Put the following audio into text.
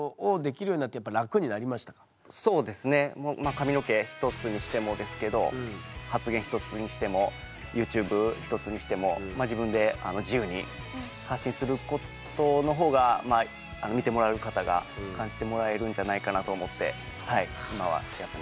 髪の毛ひとつにしてもですけど発言ひとつにしてもＹｏｕＴｕｂｅひとつにしても自分で自由に発信することのほうが見てもらう方が感じてもらえるんじゃないかなと思って今はやってます。